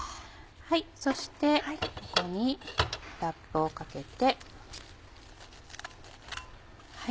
そしてここにラップをかけて。